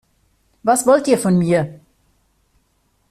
Was wollt ihr von mir?